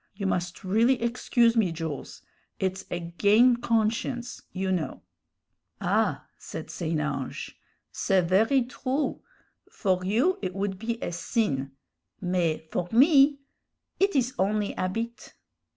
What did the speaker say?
You must really excuse me, Jools, it's again' conscience, you know." "Ah!" said St. Ange, "c'est very true. For you it would be a sin, mais for me it is only 'abit.